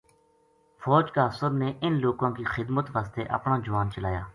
فوج کا افسر نے انھ لوکاں کی خذمت واسطے اپنا جوان چلایا